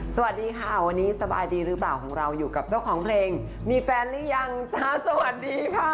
สวัสดีค่ะวันนี้สบายดีหรือเปล่าของเราอยู่กับเจ้าของเพลงมีแฟนหรือยังจ๊ะสวัสดีค่ะ